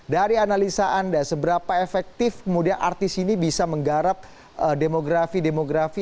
dari analisa anda seberapa efektif kemudian artis ini bisa menggarap demografi demografi